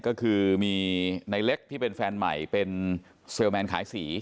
ก็คือมีในเล็กที่เป็นแฟนใหม่เป็นเซลแมนขายสี